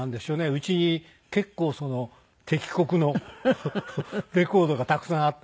うちに結構敵国のレコードがたくさんあって。